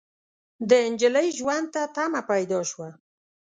د نجلۍ ژوند ته تمه پيدا شوه.